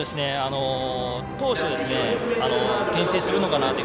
当初けん制するのかなって。